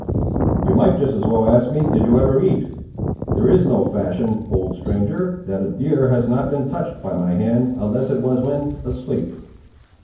"You might just as well ask me, did you ever eat? There is no fashion, old stranger, that a deer has not been touched by my hand, unless it was when asleep."